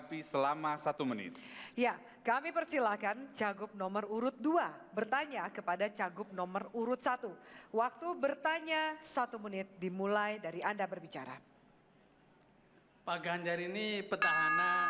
pak ganjar ini petahana rasa penantang